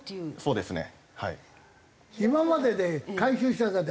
そうですね